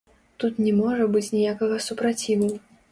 Тут не можа быць ніякага супраціву.